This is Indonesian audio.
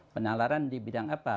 penalaran di bidang apa